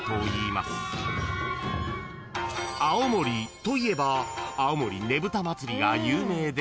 ［青森といえば青森ねぶた祭が有名ですが］